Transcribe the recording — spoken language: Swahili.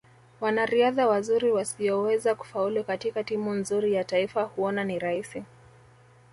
Wanariadha wazuri wasioweza kufaulu katika timu nzuri ya taifa huona ni rahisi